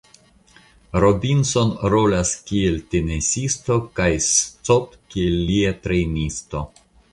Robinson rolas kiel tenisisto kaj Scott kiel lia trejnisto.